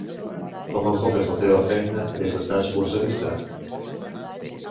Com enfoques la teva feina des de tants punts de vista?